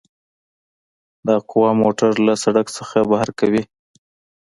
دا قوه موټر له سرک څخه بهر کوي